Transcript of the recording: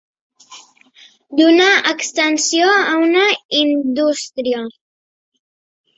Donar extensió a una indústria.